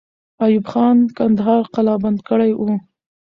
ایوب خان کندهار قلابند کړی وو.